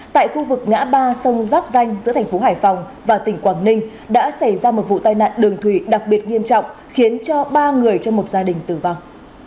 tại khu vực ngã ba sông giáp danh giữa thành phố hải phòng và tỉnh quảng ninh đã xảy ra một vụ tai nạn đường thủy đặc biệt nghiêm trọng khiến cho ba người trong một gia đình tử vong